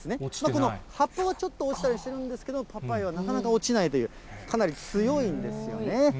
この葉っぱがちょっと落ちたりしてるんですけど、パパイヤはなかなか落ちないという、かなり強いんですよね。